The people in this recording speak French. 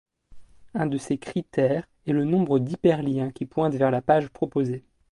Un de ces critères est le nombre d'hyperliens qui pointent vers la page proposée.